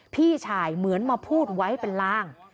พี่ชายเหมือนมาพูดไว้เป็นลาง